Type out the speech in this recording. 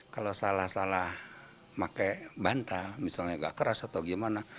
kalau salah salah pakai bantal misalnya agak keras atau gimana